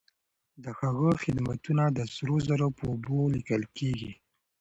د هغه خدمتونه د سرو زرو په اوبو ليکل کيږي.